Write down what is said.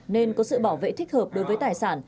nên có sự bảo vệ thích hợp đối với tài sản